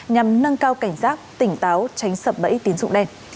nhằm nâng cao cảnh giác tỉnh táo tránh sập bẫy tín dụng đen